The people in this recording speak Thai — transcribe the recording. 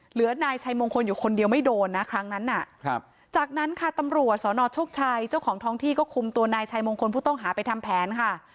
นายชัยมงคลอยู่คนเดียวไม่โดนนะครั้งนั้นจากนั้นค่ะตำรวจสนโชคชัยเจ้าของท้องที่ก็คุมตัวนายชัยมงคลผู้ต้องหาไปทำแผนค่ะ